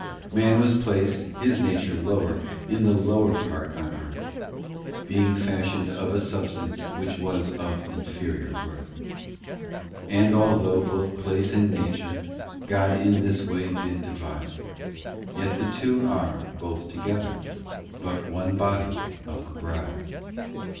v Man was placed his nature lower In the lower part on earth, Being fashioned of a substance Which was of inferior worth. VI And although both place and nature God in this way did divide, Yet the two are, both together, But one body of the bride.